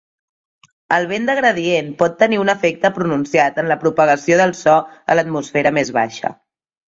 El vent de gradient pot tenir un efecte pronunciat en la propagació del so a l'atmosfera més baixa.